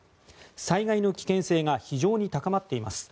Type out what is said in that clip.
災害の危険性が非常に高まっています。